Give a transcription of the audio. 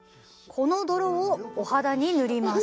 この泥をお肌に塗ります。